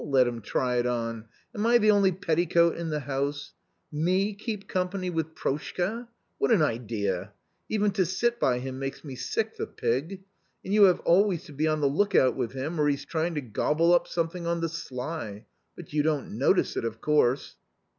" Let him try it on ! Am I the only petticoat in the house ? Me keep company with Proshka ! What an idea ! Even to sit by him makes me sick, the pig ! And you have always to be on the look out with him, or he's trying to gobble up something on the sly ; but you don't notice it, of course